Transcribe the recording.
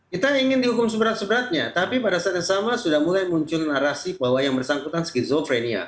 kita ingin dihukum seberat seberatnya tapi pada saat yang sama sudah mulai muncul narasi bahwa yang bersangkutan skizofrenia